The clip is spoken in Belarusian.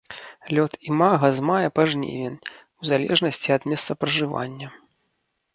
Лёт імага з мая па жнівень у залежнасці ад месцапражывання.